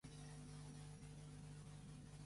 El seu cognom és Casares: ce, a, essa, a, erra, e, essa.